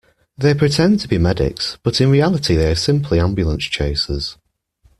They pretend to be medics, but in reality they are simply ambulance chasers.